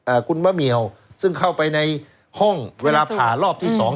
อ่าคุณเอิร์นเมียวซึ่งเข้าไปในห้องเวลาผ่ารอบที่สอง